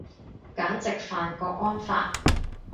簡直犯郭安發